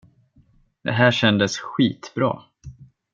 Det här kändes skitbra!